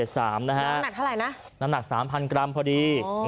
น้ำหนักเท่าไหร่นะน้ำหนัก๓๐๐กรัมพอดี